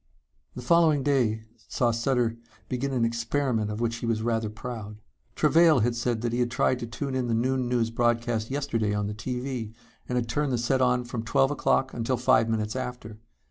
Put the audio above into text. The following day saw Sutter begin an experiment of which he was rather proud. Travail had said that he had tried to tune in the noon news broadcast yesterday on the TV and had turned the set on from twelve o'clock until five minutes after.